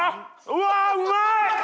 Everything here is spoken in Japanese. うわうまい！